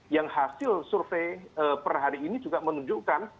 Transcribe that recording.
yang hasil survei per hari ini juga menunjukkan